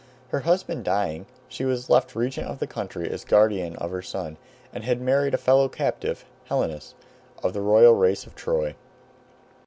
Her husband dying, she was left regent of the country, as guardian of her son, and had married a fellow captive, Helenus, of the royal race of Troy.